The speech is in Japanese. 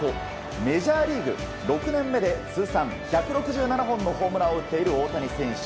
メジャーリーグ６年で通算１６０本ほどのホームランを打っている大谷選手。